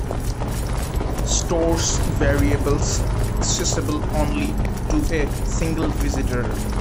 Stores variables accessible only to a single visitor.